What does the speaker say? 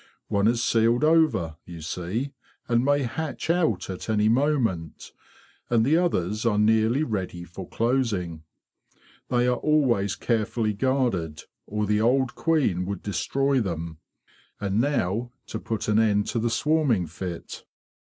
One is sealed over, you see, and may hatch out at any moment; and the others are nearly ready for closing. They are always care fully guarded, or the old queen would destroy them. And now to put an end to the swarming fit.